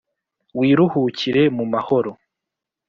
wiruhukire mu mahoro